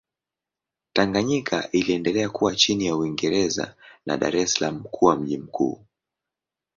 Tanganyika iliendelea kuwa chini ya Uingereza na Dar es Salaam kuwa mji mkuu.